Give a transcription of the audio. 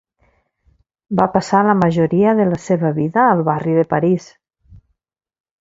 Va passar la majoria de la seva vida al barri de París.